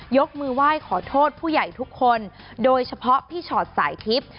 ยกมือไหว้ขอโทษผู้ใหญ่ทุกคนโดยเฉพาะพี่ชอตสายทิพย์